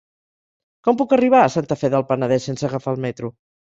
Com puc arribar a Santa Fe del Penedès sense agafar el metro?